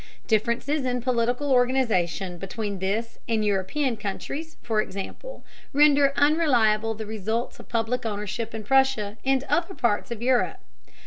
Differences in political organization between this and European countries, for example, render unreliable the results of public ownership in Prussia and other parts of Europe.